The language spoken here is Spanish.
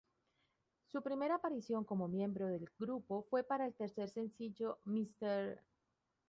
Su primera aparición como miembro del grupo fue para el tercer sencillo, "Mr.